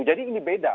jadi ini beda